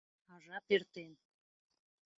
А жап эртен.